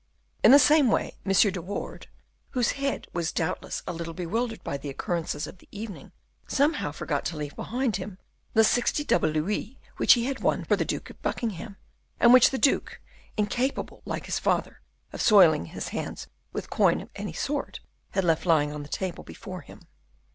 In the same way, Monsieur de Wardes, whose head was doubtless a little bewildered by the occurrences of the evening, somehow forgot to leave behind him the sixty double louis which he had won for the Duke of Buckingham, and which the duke, incapable, like his father, of soiling his hands with coin of any sort, had left lying on the table before him.